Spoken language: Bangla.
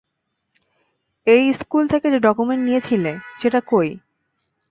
এই, স্কুল থেকে যে ডকুমেন্ট নিয়েছিলি, সেটা কই?